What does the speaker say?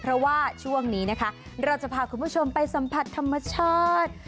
เพราะว่าช่วงนี้นะคะเราจะพาคุณผู้ชมไปสัมผัสธรรมชาติ